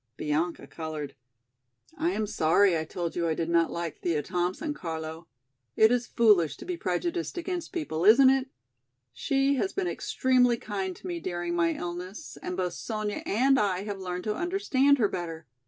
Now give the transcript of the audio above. Bianca colored. "I am sorry I told you I did not like Thea Thompson, Carlo. It is foolish to be prejudiced against people, isn't it? She has been extremely kind to me during my illness and both Sonya and I have learned to understand her better.